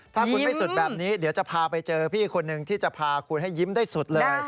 ถ้าคุณไม่สุดแบบนี้เดี๋ยวจะพาไปเจอพี่คนหนึ่งที่จะพาคุณให้ยิ้มได้สุดเลย